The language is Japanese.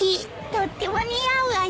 とっても似合うわよ。